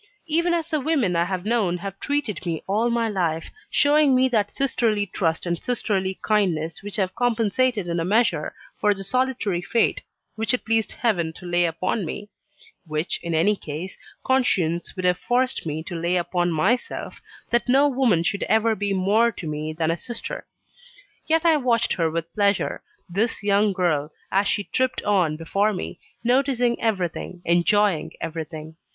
Even as the women I have known have treated me all my life showing me that sisterly trust and sisterly kindness which have compensated in a measure for the solitary fate which it pleased Heaven to lay upon me; which, in any case, conscience would have forced me to lay upon myself that no woman should ever be more to me than a sister. Yet I watched her with pleasure this young girl, as she tripped on before me, noticing everything, enjoying everything.